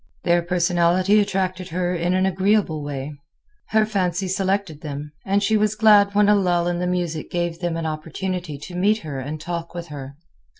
Their personality attracted her in an agreeable way. Her fancy selected them, and she was glad when a lull in the music gave them an opportunity to meet her and talk with her.